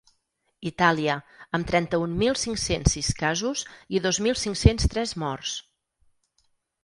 Itàlia, amb trenta-un mil cinc-cents sis casos i dos mil cinc-cents tres morts.